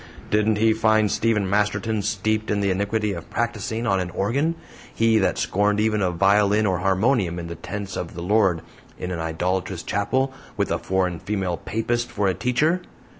Didn't he find Stephen Masterton steeped in the iniquity of practicing on an organ he that scorned even a violin or harmonium in the tents of the Lord in an idolatrous chapel, with a foreign female Papist for a teacher?